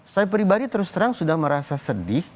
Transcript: saya pribadi terus terang sudah merasa sedih